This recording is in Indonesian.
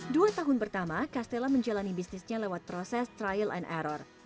dua tahun pertama castella menjalani bisnisnya lewat proses trial and error